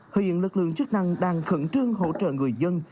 hiện lực lượng chức năng đang khẩn trương hỗ trợ người dân